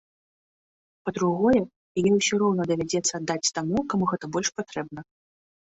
Па-другое, яе ўсё роўна давядзецца аддаць таму, каму гэта больш патрэбна.